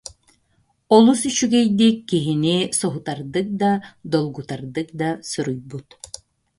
Олус үчүгэй- дик, киһини соһутардык да, долгутардык да суруйбут